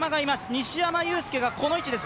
西山雄介がこの位置です。